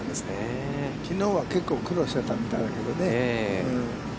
きのうは、結構、苦労してたみたいだけどね。